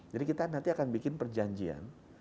jadi kita nanti akan bikin perjanjian